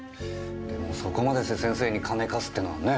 でもそこまでして先生に金貸すってのはね。